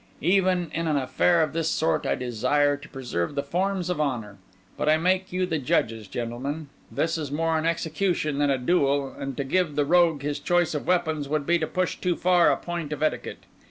Even in an affair of this sort I desire to preserve the forms of honour. But I make you the judges, gentlemen—this is more an execution than a duel and to give the rogue his choice of weapons would be to push too far a point of etiquette.